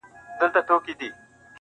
اوس یې تر پاڼو بلبلکي په ټولۍ نه راځي-